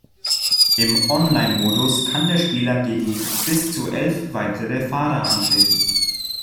Im Online-Modus kann der Spieler gegen bis zu elf weitere Fahrer antreten.